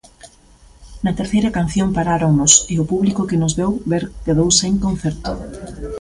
Na terceira canción paráronnos e o público que nos veu ver quedou sen concerto.